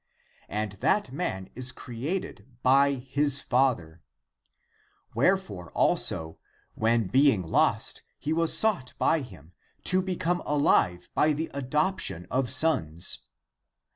7. And that man is created by his Father, 8. Wherefore, also, when being lost, he was sought by him, to become alive by the adoption of sons.